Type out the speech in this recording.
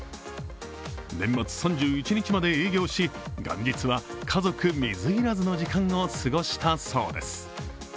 年末３１日まで営業し、元日は家族水入らずの時間を過ごしたそうです。